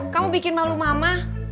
kamu bikin malu mama